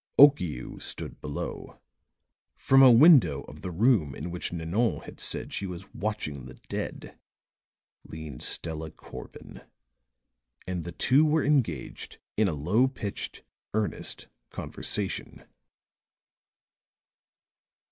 Okiu stood below; from a window of the room in which Nanon had said she was watching the dead leaned Stella Corbin, and the two were engaged in a low pitched, earnest conversation.